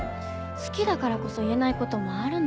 好きだからこそ言えない事もあるの。